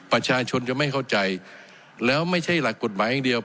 ประชาชนจะไม่เข้าใจแล้วไม่ใช่หลักกฎหมายอย่างเดียว